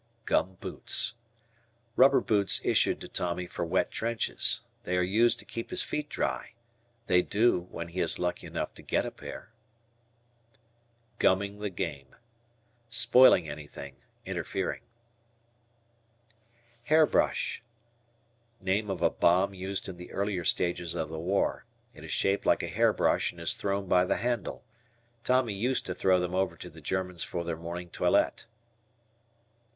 Gum Boots. Rubber boots issued to Tommy for wet trenches. They are used to keep his feet dry; they do, when he is lucky enough to get a pair. "Gumming the game." Spoiling anything, interfering. H "Hair brush." Name of a bomb used in the earlier stages of the war. It is shaped like a hair brush and is thrown by the handle. Tommy used to throw them over to the Germans for their morning toilette.